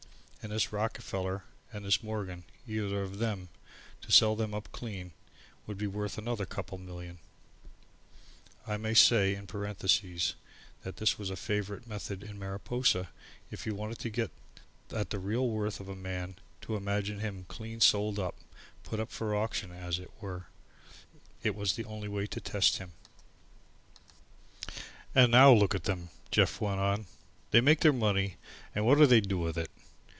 And this Rockefeller and this Morgan, either of them, to sell them up clean, would be worth another couple of million " I may say in parentheses that it was a favourite method in Mariposa if you wanted to get at the real worth of a man, to imagine him clean sold up, put up for auction, as it were. It was the only way to test him. "And now look at 'em," Jeff went on. "They make their money and what do they do with it?